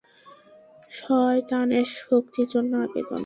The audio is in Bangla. শয়তানের শক্তির জন্য অসম্মান।